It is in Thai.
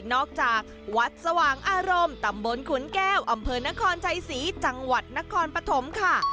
วัดสว่างอารมณ์ตำบลขุนแก้วอำเภอนครชัยศรีจังหวัดนครปฐมค่ะ